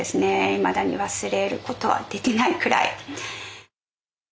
いまだに忘れることはできないくらい。